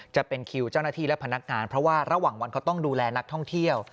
จะเป็นคิวเจ้าหน้าที่และพนักงานเพราะว่าระหว่างวันเขาต้องดูแลนักท่องเที่ยว